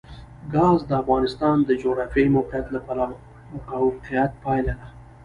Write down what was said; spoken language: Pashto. ګاز د افغانستان د جغرافیایي موقیعت پایله ده.